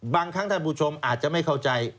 บางครั้งท่านผู้ชมอาจจะไม่เข้าใจ